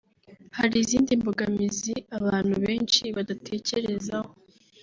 Hari izindi mbogamizi abantu benshi badatekerezaho